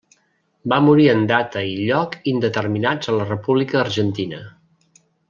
Va morir en data i lloc indeterminats a la República Argentina.